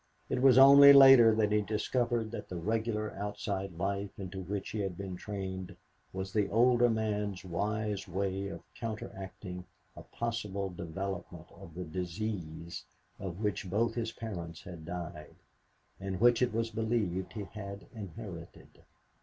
It was only later that he discovered that the regular outside life into which he had been trained was the older man's wise way of counteracting a possible development of the disease of which both his parents had died, and which it was believed he had inherited.